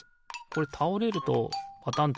これたおれるとパタン